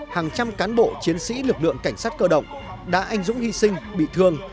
hàng trăm cán bộ chiến sĩ lực lượng cảnh sát cơ động đã anh dũng hy sinh bị thương